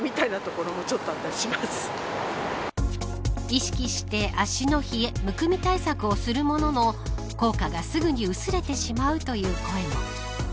意識して、足の冷えむくみ対策をするものの効果がすぐに薄れてしまうという声も。